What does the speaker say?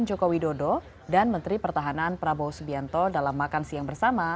joko widodo dan menteri pertahanan prabowo subianto dalam makan siang bersama